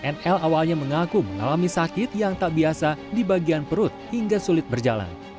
nl awalnya mengaku mengalami sakit yang tak biasa di bagian perut hingga sulit berjalan